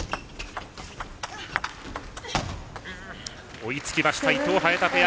追いつきました、伊藤、早田ペア。